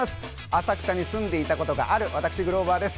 浅草に住んでいたことがある私、グローバーです。